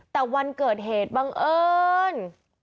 แต่วันเกิดเหตุบังเอิญ